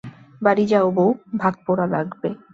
বাড়ি যাও বৌ, ভাত পোড়া লাগবে।